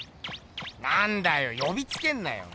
なんだよよびつけんなよ。